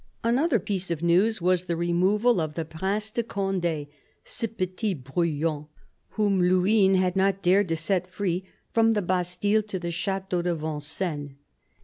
Another piece of news was the removal of the Prince de Conde, " ce petit brouillon," whom Luynes had not dared to set free, from the Bastille to the Chateau de Vincennes.